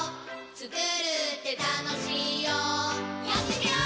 つくるってたのしいよやってみよー！